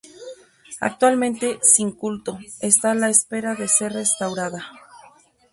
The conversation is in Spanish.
Actualmente, sin culto, está a la espera de ser restaurada.